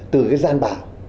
từ cái gian bảo